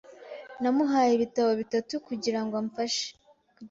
Namuhaye ibitabo bitatu kugirango mfashe.